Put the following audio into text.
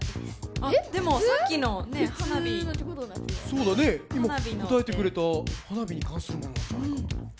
そうだね今答えてくれた花火に関するものなんじゃないかと。